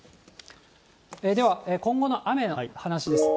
では、今後の雨の話です。